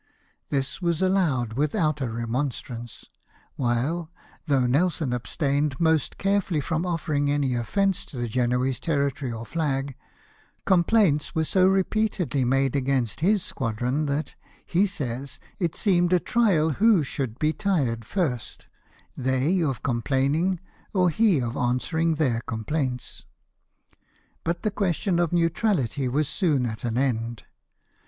This was allowed without a remonstrance ; while, though Nelson abstained most carefully from offering any offence to the Genoese territory or flag, complaints were so repeatedly made against his squadron that, he says, it seemed a trial who should be tired first — they of complaining, or he of answering their complaints. But the question of neutrality was soon at an end.